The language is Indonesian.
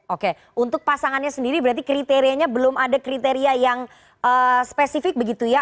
oke untuk pasangannya sendiri berarti kriterianya belum ada kriteria yang spesifik begitu ya